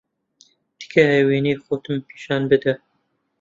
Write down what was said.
تکایە وێنەی خۆتم پیشان بدە.